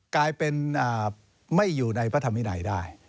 กลายเป็นไม่อยู่ในพระธรรมวินัยได้